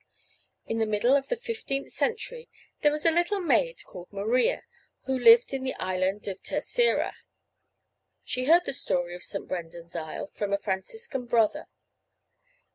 In the middle of the fifteenth century there was a little maid called Maria who lived in the island of Terceira. She heard the story of St. Brendan's isle from a Franciscan brother.